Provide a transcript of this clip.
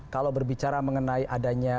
kalau berbicara mengenai adanya